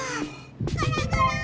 ゴロゴロン！